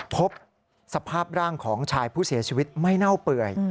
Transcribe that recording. พบสภาพร่างของชายผู้เสียชีวิตไม่เน่าเปื่อย